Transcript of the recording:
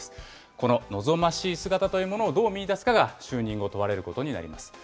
この望ましい姿というものをどう見いだすかが、就任後、問われることになります。